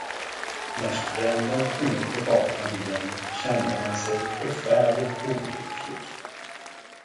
När studenten kom ut på gatan igen, kände han sig förfärligt olycklig.